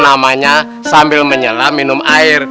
namanya sambil menyelam minum air